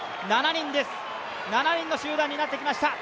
７人の集団になってきました